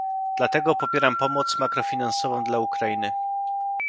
Dlatego popieram pomoc makrofinansową dla Ukrainy